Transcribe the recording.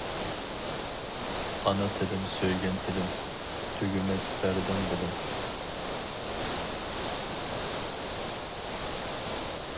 ئانا تىلىم سۆيگەن تىلىم، تۈگىمەس بەردىڭ بىلىم.